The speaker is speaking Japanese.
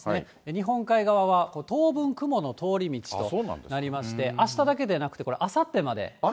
日本海側は当分雲の通り道となりまして、あしただけでなくて、あさってまで。